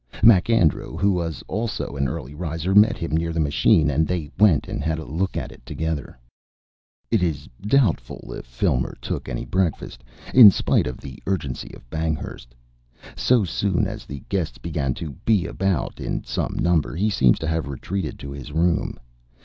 MacAndrew, who was also an early riser, met him near the machine, and they went and had a look at it together. It is doubtful if Filmer took any breakfast, in spite of the urgency of Banghurst. So soon as the guests began to be about in some number he seems to have retreated to his room.